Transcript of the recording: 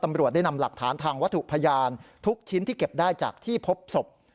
ตำรวจได้นำหลักฐานทางวัตถุพยานทุกชิ้นที่เก็บได้จากที่พบศพ